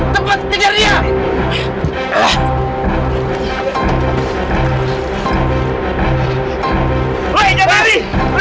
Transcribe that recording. tepat kejar dia